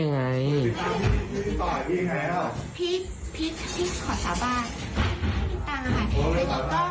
อย่าพาพี่เข้ากลุกเลยนะคะ